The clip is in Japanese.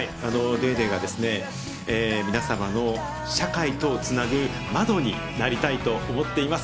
ＤａｙＤａｙがですね、皆様の社会とをつなぐ窓になりたいと思っています。